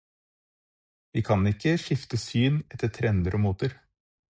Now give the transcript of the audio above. Vi kan ikke skifte syn etter trender og moter.